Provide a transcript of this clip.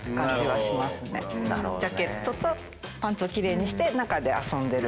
ジャケットとパンツを奇麗にして中で遊んでる。